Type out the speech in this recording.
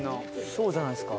そうじゃないですか？